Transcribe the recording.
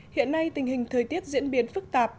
hiện nay tình hình thời tiết diễn biến phức tạp